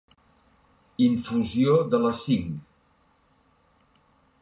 Infusió de les cinc.